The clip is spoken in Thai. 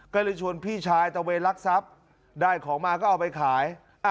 ก็เลยชวนพี่ชายตะเวนลักทรัพย์ได้ของมาก็เอาไปขาย